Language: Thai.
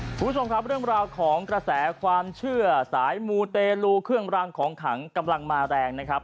คุณผู้ชมครับเรื่องราวของกระแสความเชื่อสายมูเตรลูเครื่องรางของขังกำลังมาแรงนะครับ